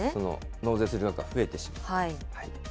納税する額が増えてしまう。